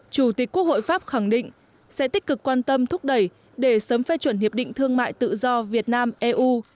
chủ tịch quốc hội pháp khẳng định sẽ tích cực quan tâm thúc đẩy để sớm phê chuẩn hiệp định thương mại tự do việt nam eu